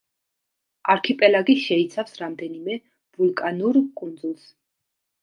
არქიპელაგი შეიცავს რამდენიმე ვულკანურ კუნძულს.